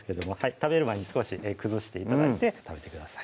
食べる前に少し崩して頂いて食べてください